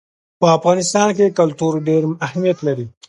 په افغانستان کې کلتور ډېر اهمیت لري.